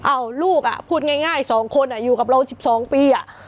อ้าวลูกอ่ะพูดง่ายง่ายสองคนอ่ะอยู่กับเราสิบสองปีอ่ะ